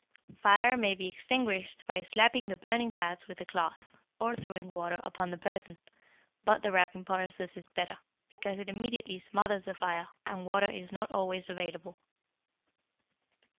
Fire may be extinguished by slapping the burning parts with a cloth, or throwing water upon the person, but the wrapping process is better, because it immediately smothers the fire, and water is not always available.